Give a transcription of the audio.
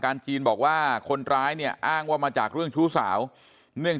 จีนบอกว่าคนร้ายเนี่ยอ้างว่ามาจากเรื่องชู้สาวเนื่อง